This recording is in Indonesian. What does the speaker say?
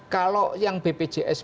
kalau yang bpjs